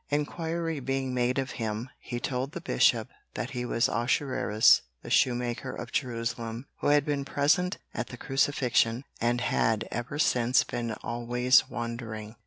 Inquiry being made of him, he told the Bishop that he was Ahasuerus the shoe maker of Jerusalem, who had been present at the Crucifixion and had ever since been always wandering.